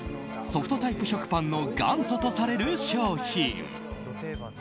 ソフトタイプ食パンの元祖とされる商品。